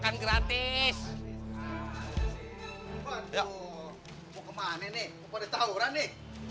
aduh mau ke mana nih mau pada tauran nih